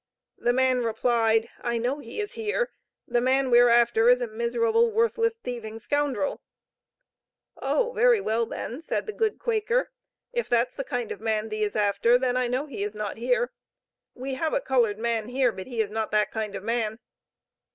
The man replied: "I know he is here. The man we're after, is a miserable, worthless, thieving scoundrel." "Oh! very well, then," said the good Quaker, "if that's the kind of man thee's after, then I know he is not here. We have a colored man here, but he is not that kind of a man."